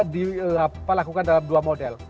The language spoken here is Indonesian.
dilakukan dalam dua model